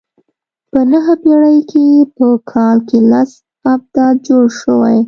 په نهمه پېړۍ کې په کال کې لس ابدات جوړ شوي.